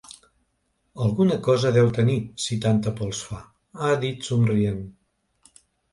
Alguna cosa deu tenir si tanta por els fa, ha dit somrient.